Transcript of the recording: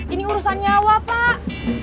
ini urusan nyawa pak